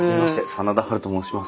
真田ハルと申します。